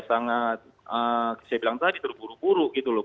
sangat saya bilang tadi terburu buru gitu loh